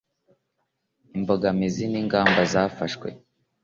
imbogamizi n ingamba zafashwe